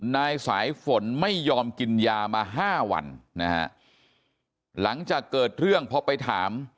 นายสายฝนไม่ยอมกินยามาห้าวันนะฮะหลังจากเกิดเรื่องพอไปถาม